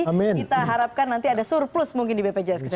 kita harapkan nanti ada surplus mungkin di bpjs kesehatan